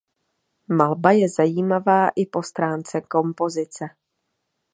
Malba je zajímavá i po stránce kompozice.